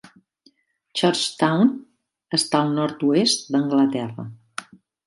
Churchtown està al nord-oest d'Anglaterra.